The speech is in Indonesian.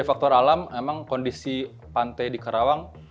dari faktor alam emang kondisi pantai di karawang